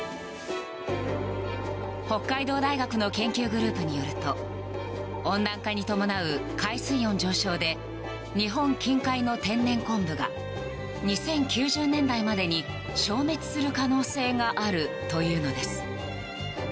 北海道大学の研究グループによると温暖化に伴う海水温上昇で日本近海の天然昆布が２０９０年代までに消滅する可能性があるというのです。